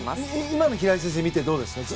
今の平井先生を見てどうですか？